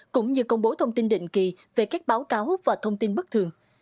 cũng như công bố thông tin định kỳ về các báo cáo và thông tin bất thường